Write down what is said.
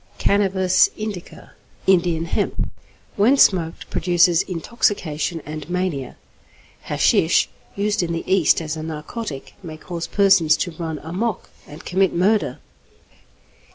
=Cannabis Indica= (Indian Hemp). When smoked, produces intoxication and mania. Hashish, used in the East as a narcotic, may cause persons to run 'amok' and commit murder.